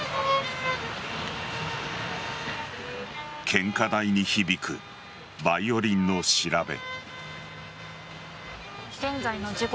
献花台に響くバイオリンの調べ。